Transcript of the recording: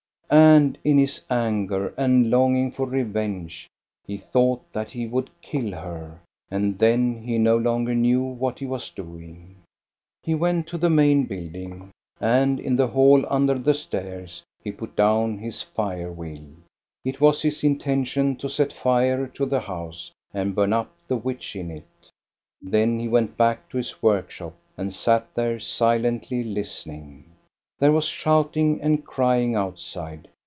And in his anger and longing for revenge, he thought that he would kill her, and then he no longer knew what he was doing. He went to the main building, arid in the hall under the stairs he put down his fire wheel. It was his intention to set fire to the house and burn up the witch in it. Then he went back to his workshop and sat there silently listening. There was shouting and crying outside.